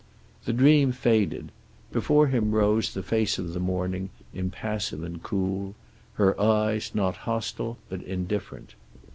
The dream faded. Before him rose her face of the morning, impassive and cool; her eyes, not hostile but indifferent.